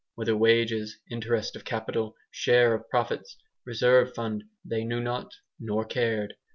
Whether wages, interest of capital, share of profits, reserve fund, they knew not nor cared.